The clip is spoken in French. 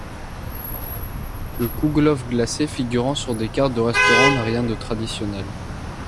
Le kougelhopf glacé figurant sur des cartes de restaurants n'a rien de traditionnel.